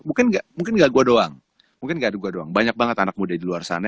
mungkin nggak mungkin nggak gua doang mungkin gak ada gua doang banyak banget anak muda di luar sana